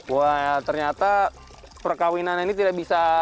wah ternyata perkawinan ini tidak bisa